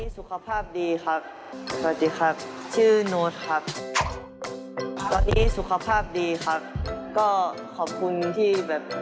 สุขภาพดีครับ